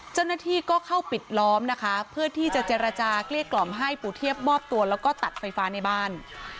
เจ้าหน้าที่ก็เข้าปิดล้อมนะคะเพื่อที่จะเจรจาเกลี้ยกล่อมให้ปู่เทียบมอบตัวแล้วก็ตัดไฟฟ้าในบ้าน